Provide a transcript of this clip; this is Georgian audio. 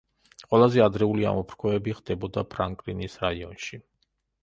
ყველაზე ადრეული ამოფრქვევები ხდებოდა ფრანკლინის რაიონში.